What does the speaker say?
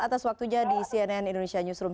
atas waktunya di cnn indonesia newsroom